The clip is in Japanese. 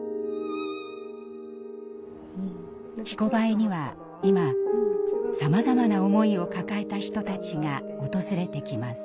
「ひこばえ」には今さまざまな思いを抱えた人たちが訪れてきます。